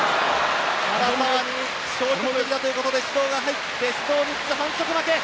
原沢に消極的だということで指導が入って指導３つ、反則負け。